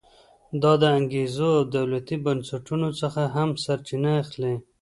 دا د انګېزو او دولتي بنسټونو څخه هم سرچینه اخلي.